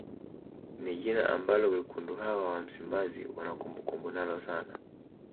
Ni jina ambalo wekundu hawa wa msimbazi wana kumbukumbu nalo sana